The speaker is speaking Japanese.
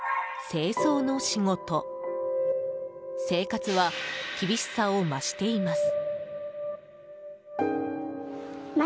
生活は厳しさを増しています。